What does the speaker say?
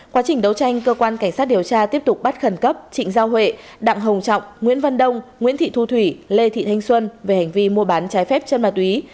quá trình đấu tranh cơ quan cảnh sát điều tra tiếp tục bắt khẩn cấp trịnh giao huệ đặng hồng trọng nguyễn văn đông nguyễn thị thu thủy lê thị thanh xuân về hành vi mua bán trái phép chân ma túy